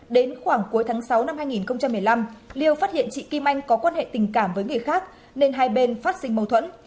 đến khoảng cuối tháng sáu năm hai nghìn một mươi năm liêu phát hiện chị kim anh có quan hệ tình cảm với người khác nên hai bên phát sinh mâu thuẫn